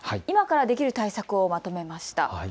今からできる対策をまとめました。